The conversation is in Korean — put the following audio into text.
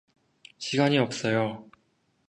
시간이 없어요!